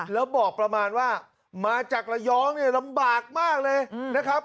แล้วบอกประมาณว่ามาจากระยองเนี่ยลำบากมากเลยนะครับ